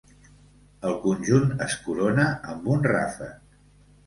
El conjunt es corona amb un ràfec.